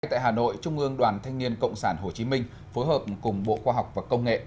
tại hà nội trung ương đoàn thanh niên cộng sản hồ chí minh phối hợp cùng bộ khoa học và công nghệ